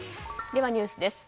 では、ニュースです。